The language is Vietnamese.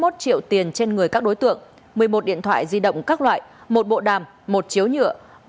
một trăm sáu mươi một triệu tiền trên người các đối tượng một mươi một điện thoại di động các loại một bộ đàm một chiếu nhựa